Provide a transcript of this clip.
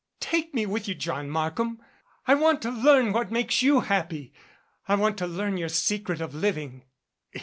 "Take me with you, John Markham. I want to learn what makes you happy I want to learn your secret of living."